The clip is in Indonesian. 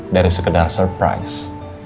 dari sekedar surprise